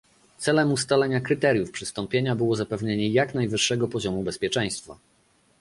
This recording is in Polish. Celem ustalenia kryteriów przystąpienia było zapewnienie jak najwyższego poziomu bezpieczeństwa